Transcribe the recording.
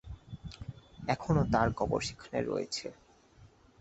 এখনো তার কবর সেখানে রয়েছে।